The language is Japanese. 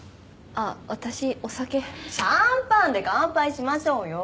あっ私お酒シャンパンで乾杯しましょうよ